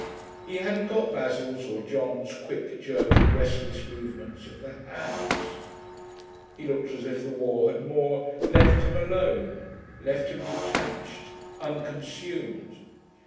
He hadn't got Basil's or John's quick, jerky, restless movements of the hands. He looked as if the war had more let him alone, left him detached, unconsumed.